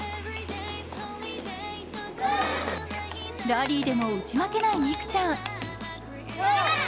ラリーでも打ち負けない美空ちゃん。